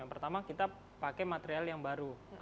yang pertama kita pakai material yang baru